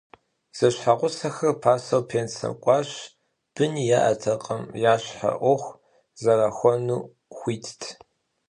Зэщхьэгъусэхэр пасэу пенсэм кӏуащ, быни яӏэтэкъыми, я щхьэ ӏуэху зэрахуэну хуитт.